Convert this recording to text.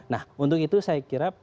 nah untuk itu saya kira